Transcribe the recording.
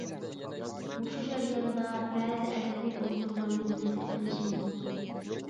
مۇشۇ جەرياندا بەزى ئەدەبىي ئوبزورلارنى يېزىپ قېلىشىم مۇمكىن.